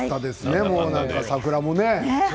桜もね。